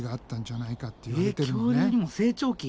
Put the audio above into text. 恐竜にも成長期？